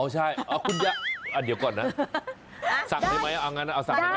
อ๋อใช่คุณยะอ่ะเดี๋ยวก่อนนะสั่งให้ไหมเอางั้นนะสั่งให้ไหม